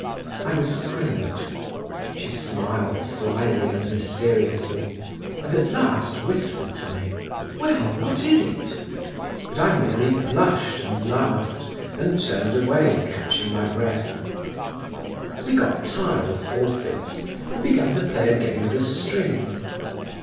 I was silent. She smiled slyly and mysteriously, and at last whispered to me, "Well, what is it?" but I merely blushed and laughed, and turned away, catching my breath. We got tired of forfeits—we began to play a game with a string.